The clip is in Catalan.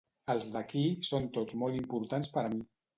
Els d'aquí són tots molt importants per a mi.